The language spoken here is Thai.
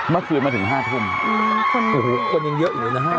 เมื่อคืนมาถึงห้าทุ่นคนยังเยอะอยู่เลยนะห้าทุ่น